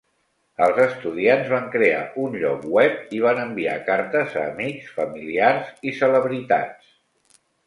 Els estudiants van crear un lloc web i van enviar cartes a amics, familiars i celebritats.